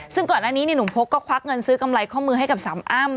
ซึ่งก่อนอันนี้หนุ่มพกก็ควักเงินซื้อกำไรข้อมือให้กับสามอ้ำ